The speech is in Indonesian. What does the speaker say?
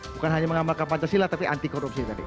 bukan hanya mengamalkan pancasila tapi anti korupsi